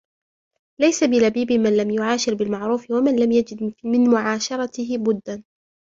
لَيْسَ بِلَبِيبٍ مَنْ لَمْ يُعَاشِرْ بِالْمَعْرُوفِ مَنْ لَمْ يَجِدْ مِنْ مُعَاشَرَتِهِ بُدًّا